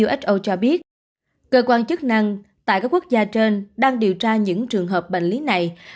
so cho biết cơ quan chức năng tại các quốc gia trên đang điều tra những trường hợp bệnh lý này